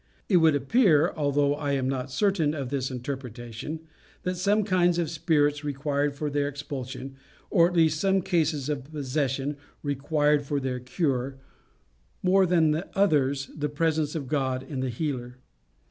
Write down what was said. It would appear although I am not certain of this interpretation that some kinds of spirits required for their expulsion, or at least some cases of possession required for their cure, more than others of the presence of God in the healer.